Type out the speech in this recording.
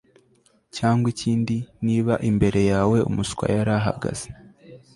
cyangwa ikindi, niba imbere yawe umuswa yarahagaze